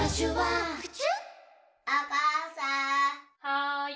はい。